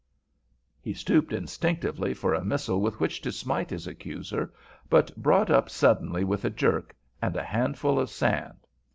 He stooped instinctively for a missile with which to smite his accuser, but brought up suddenly with a jerk and a handful of sand.